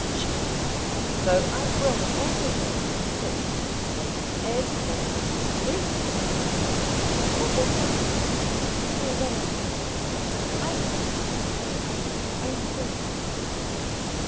"Johnny!" "So I will. The whole thing makes me sick. And as for that Mrs. Lupex " "If this is what you learn, John, by going to a lord's house, I think you had better stay at home with your own friends."